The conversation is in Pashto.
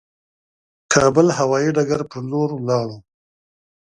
کابل هوايي ډګر پر لور ولاړو.